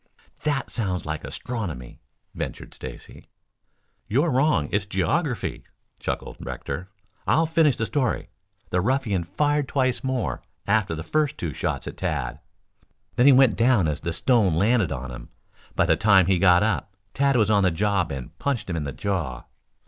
"That sounds like astronomy," ventured Stacy. "You're wrong; it's geography," chuckled Rector. "I'll finish the story. The ruffian fired twice more after the first two shots at Tad; then he went down as the stone landed on him. By the time he had got up, Tad was on the job and punched him in the jaw."